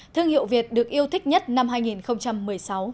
thương hiệu việt được yêu thích nhất năm hai nghìn một mươi sáu